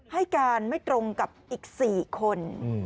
ให้การไม่ตรงกับอีก๔คน